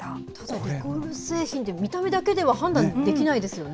リコール製品って、見た目だけでは判断できないですよね。